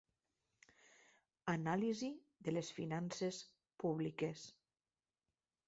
Anàlisi de les finances públiques.